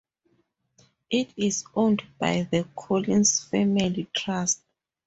It is owned by the Collins Family Trust.